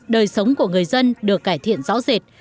đời sống của người dân được cải thiện rõ rệt